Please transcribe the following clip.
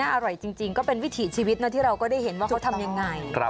อร่อยจริงก็เป็นวิถีชีวิตนะที่เราก็ได้เห็นว่าเขาทำยังไง